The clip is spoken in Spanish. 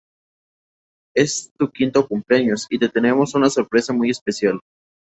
Es tu quinto cumpleaños, y te tenemos una sorpresa muy especial".